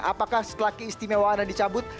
apakah setelah keistimewaan dicabut